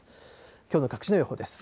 きょうの各地の予報です。